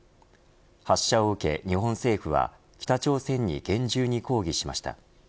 発射を受け、日本政府は北朝鮮に厳重に抗議しました。